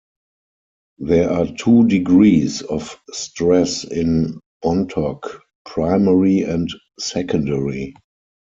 There are two degrees of stress in Bontoc: primary and secondary.